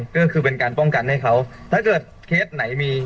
ก็คือเป็นการป้องกันให้เขาถ้าเกิดเคสไหนมี